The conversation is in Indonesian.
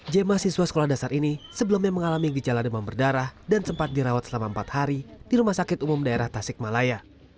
jemaah siswa sekolah dasar ini sebelumnya mengalami gejala demam berdarah dan sempat dirawat selama empat hari di rumah sakit umum daerah tasikmalaya